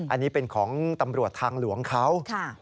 อันนี้เป็นของตำรวจทางหลวงเขา